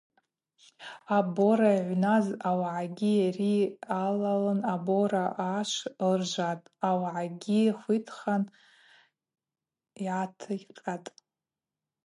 Абора йыгӏвназ ауагӏи йари алалын абора ашв лыржватӏ, ауагӏагьи хвитхан йгӏатыкъьатӏ.